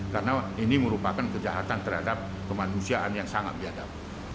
karena ini merupakan kejahatan terhadap kemanusiaan yang sangat biadab